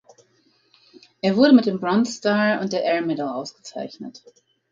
Er wurde mit dem Bronze Star und der Air Medal ausgezeichnet.